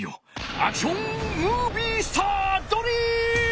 アクションムービースタードリーム！